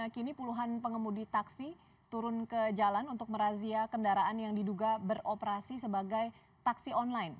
kini puluhan pengemudi taksi turun ke jalan untuk merazia kendaraan yang diduga beroperasi sebagai taksi online